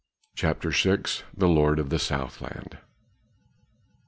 CHAPTER VI. THE LORD OF THE SOUTH LAND.